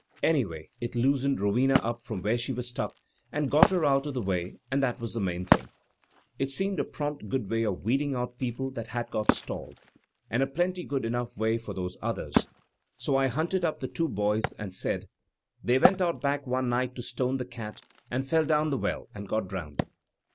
Anyway it loosened Rowena up from where she was stuck and got her out of the way and that was the main thing. It seemed a prompt good way of weeding out people that had got stalled, and a plenty good enough way for those others; so I himted up the two boys and said, 'they went out back one night to stone the cat and fell down the well pmd got drowned.'